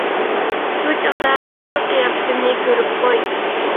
شۇ چاغدا مەغرۇر قىياپىتىمنى كۆرۈپ قوي.